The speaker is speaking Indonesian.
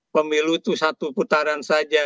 pemilu itu satu putaran saja